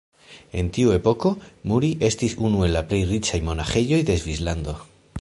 En tiu epoko Muri estis unu el la plej riĉaj monaĥejoj de Svislando.